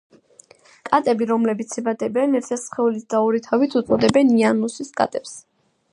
კატები რომლებიც იბადებიან ერთი სხეულით და ორი თავით უწოდებენ იანუსის კატებს.